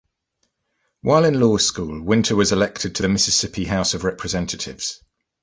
While in law school, Winter was elected to the Mississippi House of Representatives.